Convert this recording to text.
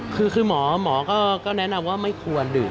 คือหมอหมอก็แนะนำว่าไม่ควรดื่ม